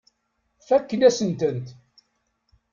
Fakken-asent-tent.